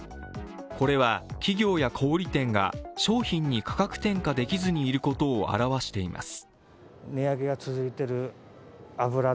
これは、企業や小売店が商品に価格転嫁できずにいることを表しています。